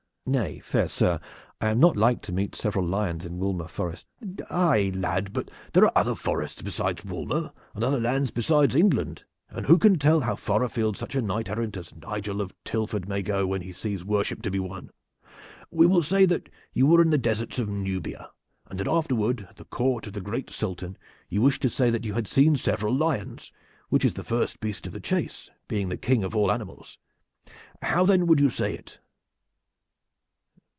"Nay, fair sir, I am not like to meet several lions in Woolmer Forest." "Aye, lad, but there are other forests besides Woolmer, and other lands besides England, and who can tell how far afield such a knight errant as Nigel of Tilford may go, when he sees worship to be won? We will say that you were in the deserts of Nubia, and that afterward at the court of the great Sultan you wished to say that you had seen several lions, which is the first beast of the chase, being the king of all animals. How then would you say it?"